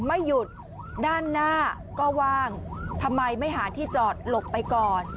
ไม่หยุดด้านหน้าก็ว่างทำไมไม่หาที่จอดหลบไปก่อน